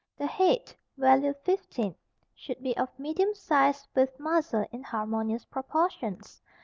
The head (value 15) should be of medium size with muzzle in harmonious proportions.